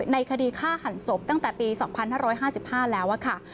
ในคดีฆ่าหันศพตั้งแต่ปี๒๕๕๕แล้วค่ะ